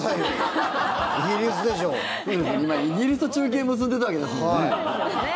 今、イギリスと中継結んでたわけですもんね。